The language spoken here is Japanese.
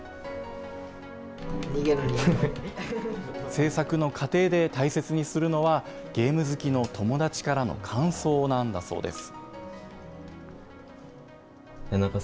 制作の過程で大切にするのは、ゲーム好きの友達からの感想なんだそうです。